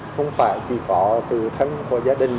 không phải chỉ có từ thân của gia đình